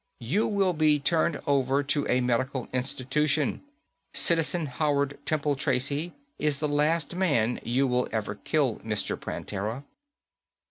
"You will be turned over to a medical institution. Citizen Howard Temple Tracy is the last man you will ever kill, Mr. Prantera."